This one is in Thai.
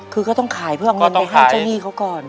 คือก็ต้องขายเพื่อเอาเงินไปให้เจ้าหนี้เขาก่อน